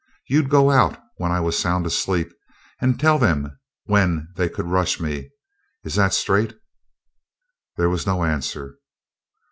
You'd go out, when I was sound asleep, and tell them when they could rush me. Is that straight?" There was no answer.